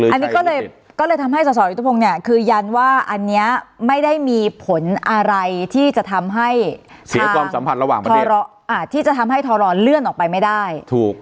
อันนี้ก็เลยทำให้ส่วนสอดอยู่ทุกคนเนี่ยคือยันว่าอันนี้ไม่ได้มีผลอะไรที่จะทำให้ทางที่จะทำให้ทะลอเลื่อนออกไปไม่ได้